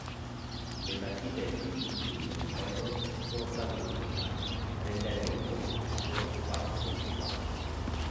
Le partite PvP nel Crogiolo sono state modificate, rendendole competizioni quattro contro quattro.